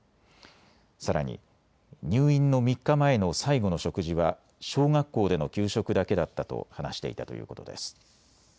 さらに、入院の３日前の最後の食事は小学校での給食だけだったと話していたということです。